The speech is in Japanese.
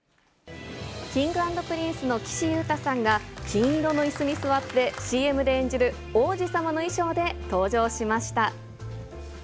Ｋｉｎｇ＆Ｐｒｉｎｃｅの岸優太さんが、金色のいすに座って、ＣＭで演じる王子様の衣装で登場しました。